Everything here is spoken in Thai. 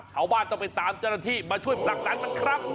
ชาวบ้านต้องไปตามเจ้าหน้าที่มาช่วยผลักดันมันครับ